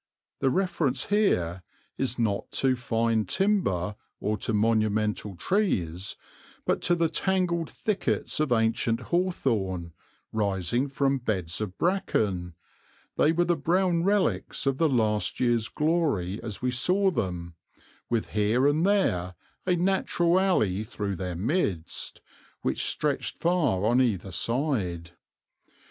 The reference here is not to fine timber or to monumental trees, but to the tangled thickets of ancient hawthorn, rising from beds of bracken they were the brown relics of the last year's glory as we saw them with here and there a natural alley through their midst, which stretched far on either side.